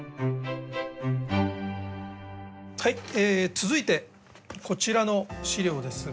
続いてこちらの史料ですが。